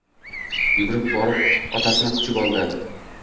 Yugurib borib otasini quchib oldi